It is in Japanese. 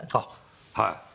はい。